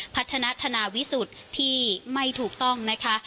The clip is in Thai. พัฒนาธนาวิสุทธิ์ที่ไม่ถูกต้องนะคะ